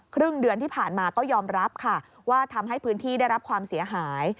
ครึ่งเดือนที่ผ่านมาก็ยอมรับค่ะว่าทำให้พื้นที่ได้รับความเสียหาย